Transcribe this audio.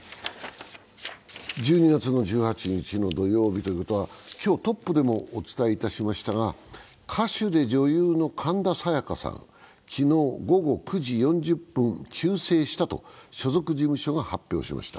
１２月１８日の土曜日ということは今日トップでもお伝えいたしまたが、歌手で女優の神田沙也加さん、昨日午後９時４０分、急逝したと所属事務所が発表しました。